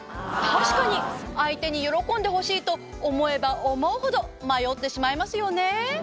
確かに相手に喜んでほしいと思えば思うほど迷ってしまいますよね。